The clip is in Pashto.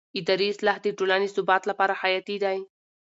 اداري اصلاح د ټولنې ثبات لپاره حیاتي دی